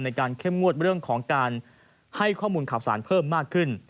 เข้มงวดเรื่องของการให้ข้อมูลข่าวสารเพิ่มมากขึ้น